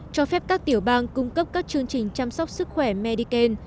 cho phép các tiểu bang cung cấp các chương trình chăm sóc sức khỏe medicaine